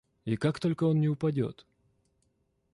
И как только он не упадет.